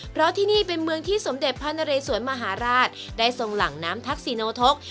เพราะที่นี่เป็นเมืองที่สมเด็จพระนเรสวนมหาราชได้ทรงหลังน้ำทักษิโนทก